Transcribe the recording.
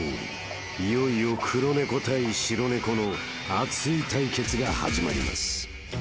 ［いよいよ黒猫対白猫の熱い対決が始まります］